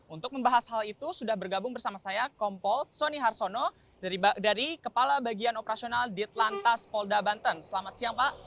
untuk membahas hal itu sudah bergabung bersama saya kompol soni harsono dari kepala bagian operasional ditlantas polda banten selamat siang pak